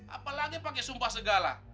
apalagi pakai sumpah segala